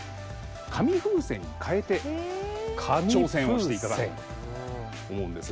紙風船に替えて挑戦をしていただこうと思うんですが。